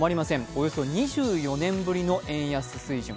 およそ２４年ぶりの円安水準。